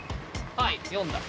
はい読んだ。